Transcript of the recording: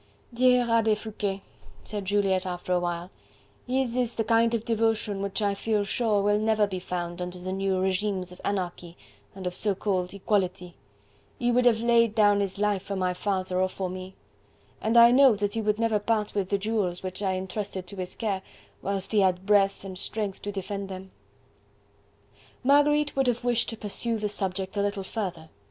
"Dear Abbe Foucquet," said Juliette after a while, "his is the kind of devotion which I feel sure will never be found under the new regimes of anarchy and of so called equality. He would have laid down his life for my father or for me. And I know that he would never part with the jewels which I entrusted to his care, whilst he had breath and strength to defend them." Marguerite would have wished to pursue the subject a little further.